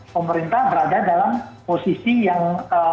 pemerintah berada dalam posisi yang